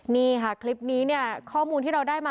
นี่ค่ะคลิปนี้เนี่ยข้อมูลที่เราได้มา